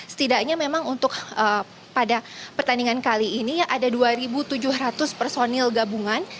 setidaknya memang untuk pada pertandingan kali ini ada dua tujuh ratus personil gabungan